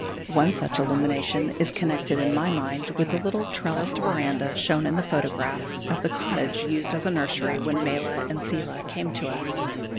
One such illumination is connected in my mind with the little trellised verandah, shown in the photograph, of the cottage used as a nursery when Mala and Seela came to us.